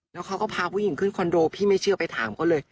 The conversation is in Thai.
แล้วเขาก็พาผู้หญิงขึ้นคอนโดพี่ไม่เชื่อไปถามเขาเลย